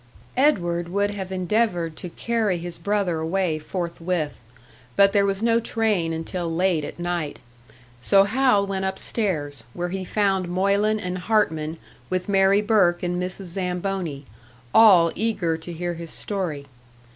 Edward would have endeavoured to carry his brother away forthwith, but there was no train until late at night; so Hal went upstairs, where he found Moylan and Hartman with Mary Burke and Mrs. Zamboni, all eager to hear his story.